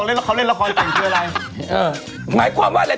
แล้วก้นทีหมายความว่าอะไร